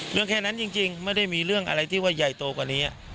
แค่นั้นจริงไม่ได้มีเรื่องอะไรที่ว่าใหญ่โตกว่านี้